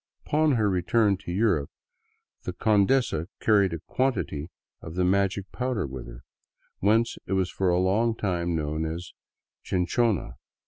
Upon her return to Europe the condesa carried a quantity of the magic powder with her, whence it was for a long time known as chinchona.